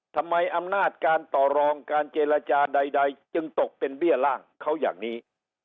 ทำไมอำนาจการต่อรองการเจรจาใดจึงตกเป็นเบี้ยร่างเขาอย่างนี้